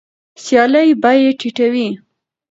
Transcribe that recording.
سیالي بیې ټیټوي.